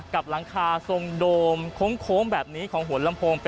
หลังคาทรงโดมโค้งแบบนี้ของหัวลำโพง